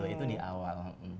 itu di awal